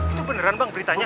itu beneran bang beritanya